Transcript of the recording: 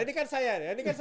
nah ini kan saya larang